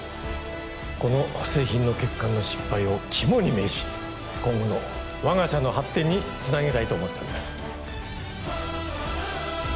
この製品の欠陥の失敗を肝に銘じ今後の我が社の発展につなげたいと思っております